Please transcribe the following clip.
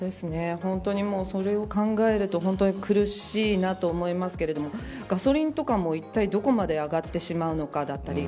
それを考えると本当に苦しいなと思いますけれどもガソリンとかも、いったいどこまで上がってしまうのかだったり